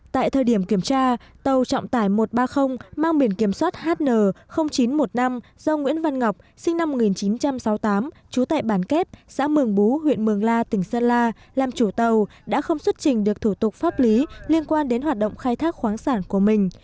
tại thời điểm kiểm tra tàu trọng tải một trăm ba mươi mang biển kiểm soát hn chín trăm một mươi năm do nguyễn văn ngọc sinh năm một nghìn chín trăm sáu mươi tám trú tại bản kép xã mường bú huyện mường la tỉnh sơn la làm chủ tàu đã không xuất trình được thủ tục pháp lý liên quan đến hoạt động khai thác khoáng sản của mình